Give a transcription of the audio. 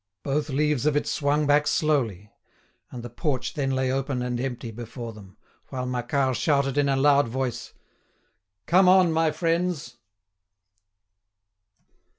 Both leaves of it swung back slowly, and the porch then lay open and empty before them, while Macquart shouted in a loud voice: "Come on, my friends!"